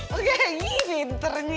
wow oke ini pinternya